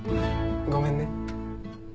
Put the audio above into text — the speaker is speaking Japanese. ごめんね。